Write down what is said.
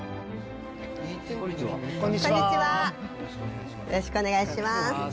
こんにちは、よろしくお願いします。